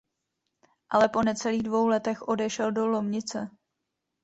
Ale po necelých dvou letech odešel do Lomnice.